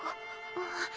あっ。